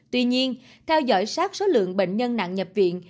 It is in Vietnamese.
tuy nhiên theo dõi sát số lượng bệnh nhân nặng nhập viện